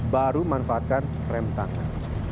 baru manfaatkan rem tangan